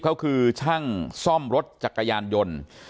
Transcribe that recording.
เขาคือช่างซ่อมรถจักรยานยนต์